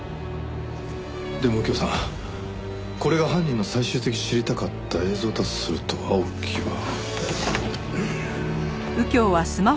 でも右京さんこれが犯人が最終的に知りたかった映像だとすると青木は。